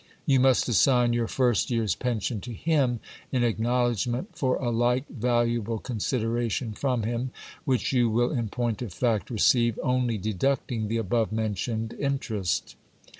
You must assign your first year's pension to him, in acknowledgment for a like valuable consideration from him, which you will in point of fact re ceive, only deducting the above mentioned interest.